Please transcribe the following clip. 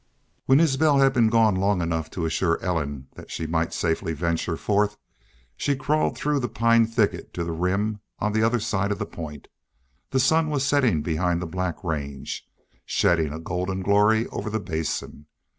When Isbel had been gone long enough to assure Ellen that she might safely venture forth she crawled through the pine thicket to the Rim on the other side of the point. The sun was setting behind the Black Range, shedding a golden glory over the Basin.